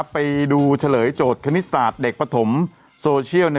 ไปดูเฉลยโจทย์คณิตศาสตร์เด็กปฐมโซเชียล